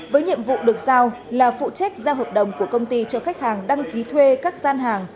với nhiệm vụ được giao là phụ trách giao hợp đồng của công ty cho khách hàng đăng ký thuê các gian hàng